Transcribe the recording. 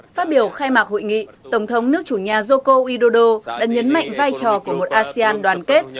phát biểu khai mạc hội nghị tổng thống nước chủ nhà joko eddodo đã nhấn mạnh vai trò của một asean đoàn kết